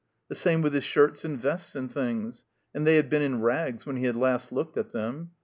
The same with his shirts and vests and things; and they had been in rags when he had last looked at them.